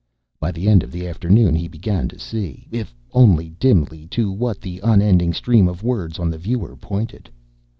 By the end of the afternoon he began to see, if only dimly, to what the unending stream of words on the viewer pointed.